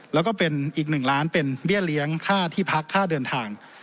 แล้วก็เป็นอีก๑ล้านเป็นเบี้ยเลี้ยงค่าที่พักค่าเดินทาง